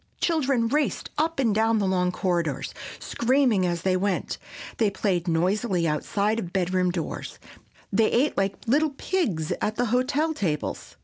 Children raced up and down the long corridors, screaming as they went; they played noisily outside of bedroom doors; they ate like little pigs at the hotel tables.